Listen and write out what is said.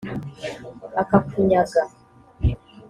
akakunyaga